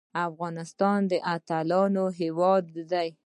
افغانستان د اتلانو هیواد دی